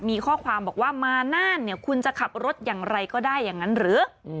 มีข้อความบอกว่ามาน่านเนี่ยคุณจะขับรถอย่างไรก็ได้อย่างนั้นหรือ